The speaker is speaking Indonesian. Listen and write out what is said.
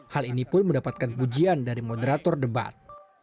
hal ini pun mendapatkan pujian dari moderator debat